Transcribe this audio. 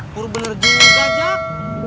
kur bener juga jak